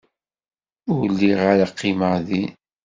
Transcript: Ur lliɣ ara qqimeɣ din.